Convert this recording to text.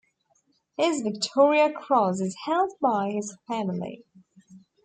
His Victoria Cross is held by his family.